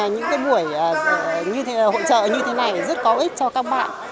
những cái buổi hội trợ như thế này rất có ích cho các bạn